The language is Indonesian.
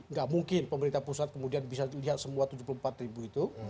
nggak mungkin pemerintah pusat kemudian bisa lihat semua tujuh puluh empat ribu itu